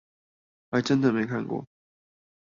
還真的沒看過